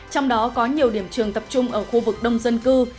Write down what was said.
trong đó có nhiều điểm trường tập trung ở khu vực đông dân cư